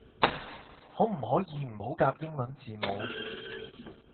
可唔可以唔好夾英文字母